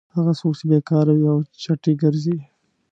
هغه څوک چې بېکاره وي او چټي ګرځي.